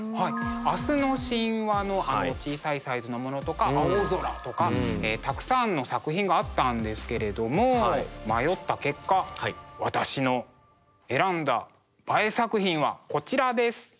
「明日の神話」の小さいサイズのものとか「青空」とかたくさんの作品があったんですけれども迷った結果私の選んだＢＡＥ作品はこちらです。